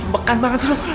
bekan banget sih lo